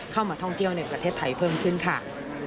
เข้ามาท่องเที่ยวในประเทศไทยเพิ่มขึ้นค่ะ